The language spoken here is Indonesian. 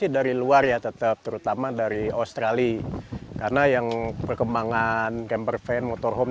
dari luar ya tetap terutama dari australia karena yang perkembangan camper van motorhome